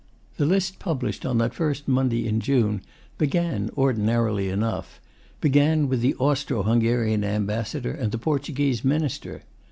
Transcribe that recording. The list published on that first Monday in June began ordinarily enough, began with the Austro Hungarian Ambassador and the Portuguese Minister.